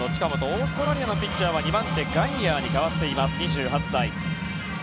オーストラリアのピッチャーは２番手、ガイヤーに代わっています、２８歳。